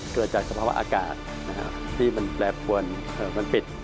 เกิดจากสภาวะอากาศที่มันแปรปวนมันปิด